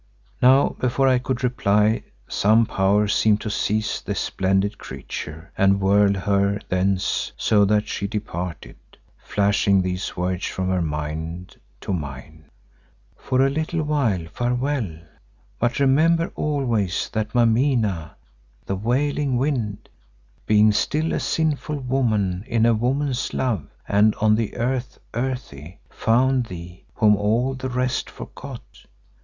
Now before I could reply, some power seemed to seize this splendid creature and whirl her thence so that she departed, flashing these words from her mind to mine, "For a little while farewell, but remember always that Mameena, the Wailing Wind, being still as a sinful woman in a woman's love and of the earth, earthy, found thee, whom all the rest forgot.